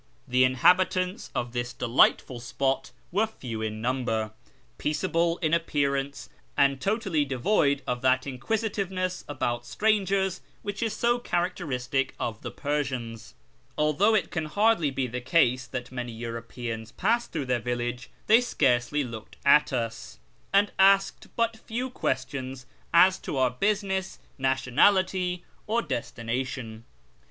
The inhabitants of 26 A YEAR AAWNGST THE PERSIANS this deli<:;litful spot were few in numlier, peacealilc in appeav ance, and totally devoid of that inquisitiveness about strangers which is so characteristic of the Tcrsians. Although it can hardly be the case that many Europeans pass through their village, they scarcely looked at us, and asked Ijut few questions as to our business, nationality, or destination.